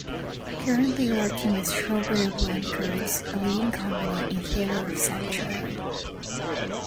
Currently working with Strawberry Blonde Curls, a leading company in Theatre of Sanctuary.